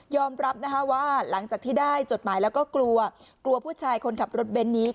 รับนะคะว่าหลังจากที่ได้จดหมายแล้วก็กลัวกลัวผู้ชายคนขับรถเบนท์นี้